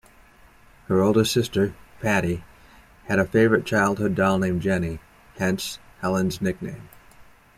Her older sister, Pattie, had a favourite childhood doll named Jenny, hence Helen's nickname.